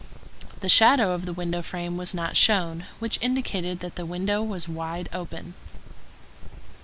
The shadow of the window frame was not shown, which indicated that the window was wide open.